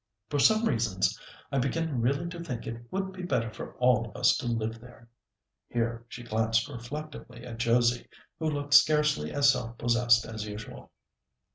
For some reasons I begin really to think it would be better for all of us to live there." Here she glanced reflectively at Josie, who looked scarcely as self possessed as usual.